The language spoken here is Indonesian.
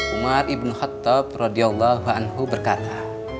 umar ibn khattab radiyallahu anhu berkata